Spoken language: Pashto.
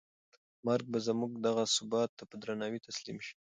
مرګ به زموږ دغه ثبات ته په درناوي تسلیم شي.